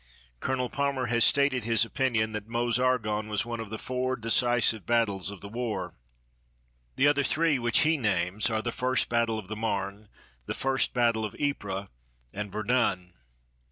Colonel Palmer has stated his opinion that Meuse Argonne was one of the four decisive battles of the war. The other three which he names are the first battle of the Marne, the first battle of Ypres, and Verdun.